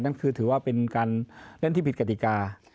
นั่นคือถือว่าเป็นการเล่นที่ผิดกฎิกา